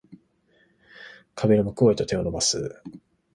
壁の向こうへと手を伸ばす